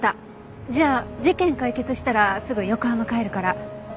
じゃあ事件解決したらすぐ横浜帰るから。